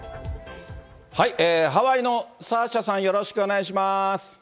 ハワイのサーシャさん、よろしくお願いします。